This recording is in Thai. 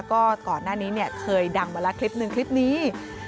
ก็ก่อนหน้านี้เนี่ยเคยดังมาแล้วคลิปหนึ่งคลิปนี้